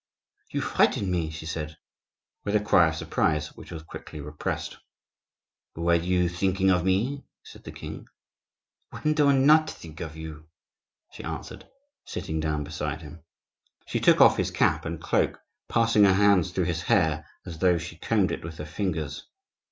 "You frightened me!" she said, with a cry of surprise, which was quickly repressed. "Were you thinking of me?" said the king. "When do I not think of you?" she answered, sitting down beside him. She took off his cap and cloak, passing her hands through his hair as though she combed it with her fingers.